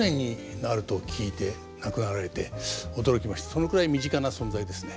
そのくらい身近な存在ですね。